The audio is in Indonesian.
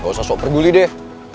gak usah sok perguli deh